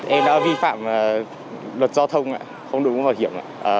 em đã vi phạm luật giao thông không đội ngũ bảo hiểm